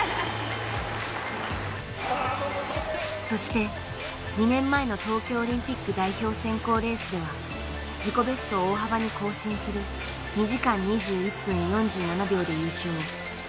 そして、２年前の東京オリンピック代表選考レースでは自己ベストを大幅に更新する２時間２１分４７秒で優勝。